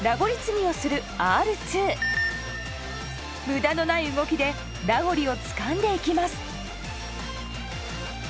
無駄のない動きでラゴリをつかんでいきます。